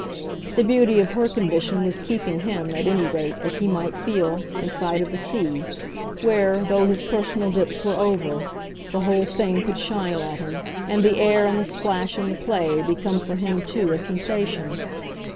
The beauty of her condition was keeping him, at any rate, as he might feel, in sight of the sea, where, though his personal dips were over, the whole thing could shine at him, and the air and the plash and the play become for him too a sensation.